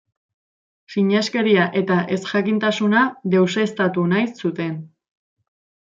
Sineskeria eta ezjakintasuna deuseztatu nahi zuten.